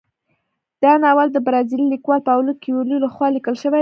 دا ناول د برازیلي لیکوال پاولو کویلیو لخوا لیکل شوی دی.